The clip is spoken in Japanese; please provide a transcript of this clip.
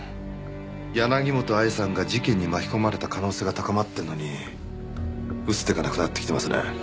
柳本愛さんが事件に巻き込まれた可能性が高まってるのに打つ手がなくなってきてますね。